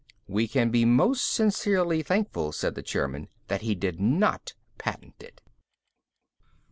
"We can be most sincerely thankful," said the chairman, "that he did not patent it."